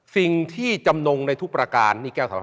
สิ่งที่จำนงในทุกประการ